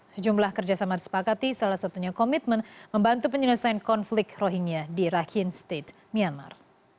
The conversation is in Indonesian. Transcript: sejumlah kerjasama disepakati salah satunya komitmen membantu penyelesaian konflik rohingya di rakhine state myanmar